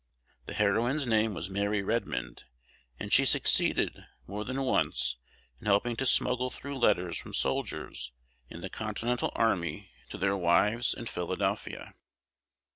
The heroine's name was Mary Redmond, and she succeeded more than once in helping to smuggle through letters from soldiers in the Continental army to their wives in Philadelphia.